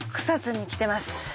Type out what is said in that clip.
草津に来てます。